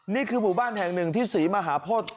นี่คือหมู่บ้านแห่งหนึ่งที่ศรีมหาโพธิ